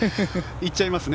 行っちゃいますね。